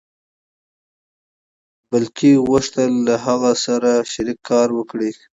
بلکې غوښتل يې له هغه سره شريک کار وکړي.